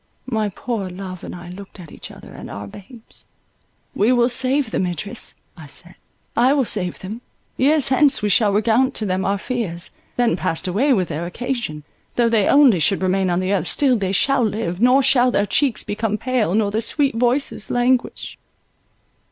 My poor love and I looked at each other, and our babes.—"We will save them, Idris," I said, "I will save them. Years hence we shall recount to them our fears, then passed away with their occasion. Though they only should remain on the earth, still they shall live, nor shall their cheeks become pale nor their sweet voices languish."